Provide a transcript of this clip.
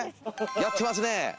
やってますね。